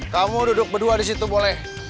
kamu duduk berdua di situ boleh